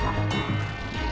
kamu oh tuhan